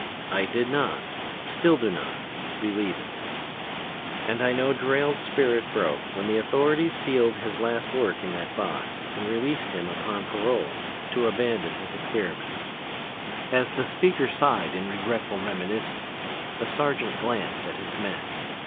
"I did not, still do not, believe it. And I know Drayle's spirit broke when the authorities sealed his last work in that box and released him upon parole to abandon his experiments." As the speaker sighed in regretful reminiscence, the sergeant glanced at his men.